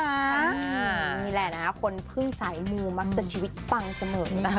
นี่แหละนะคนพึ่งสายมูมักจะชีวิตปังเสมอนะคะ